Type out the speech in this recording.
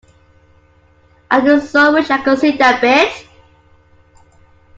I do so wish I could see that bit!